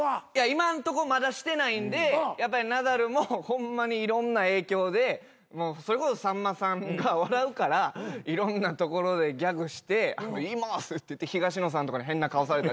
今んとこまだしてないんでナダルもホンマにいろんな影響でそれこそさんまさんが笑うからいろんなところでギャグして「言います」って東野さんとかに変な顔されたり。